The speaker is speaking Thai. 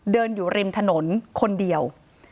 เดินอยู่ริมถนนคนเดียว